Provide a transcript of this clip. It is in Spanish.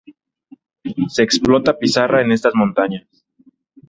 Se explota pizarra en estas montañas.